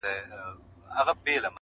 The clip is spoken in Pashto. تر ښارونو یې وتلې آوازه وه -